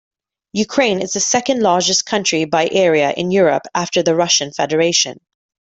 Ukraine is the second-largest country by area in Europe after the Russian Federation.